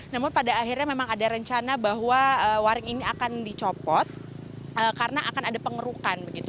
namun pada akhirnya memang ada rencana bahwa waring ini akan dicopot karena akan ada pengerukan